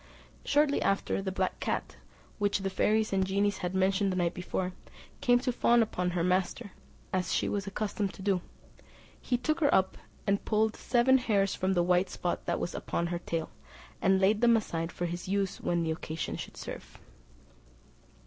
Shortly after the black cat, which the fairies and the genies had mentioned the night before, came to fawn upon her master, as she was accustomed to do; he took her up, and pulled seven hairs from the white spot that was upon her tail, and laid them aside for his use when occasion should serve.